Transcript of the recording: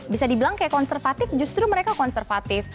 bisa dibilang kayak konservatif justru mereka konservatif